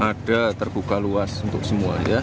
ada terbuka luas untuk semua ya